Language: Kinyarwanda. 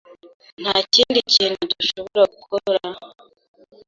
Nta kindi kintu dushobora gukora?